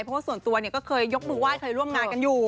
เพราะว่าส่วนตัวเนี่ยก็เคยยกมือไห้เคยร่วมงานกันอยู่